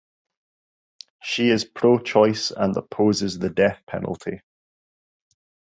She is pro-choice and opposes the death penalty.